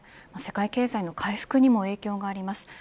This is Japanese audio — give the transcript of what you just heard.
世界経済の回復にも影響があります。